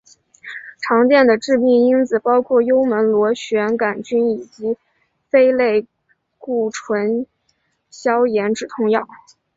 常见的致病因子包括幽门螺旋杆菌以及非类固醇消炎止痛药。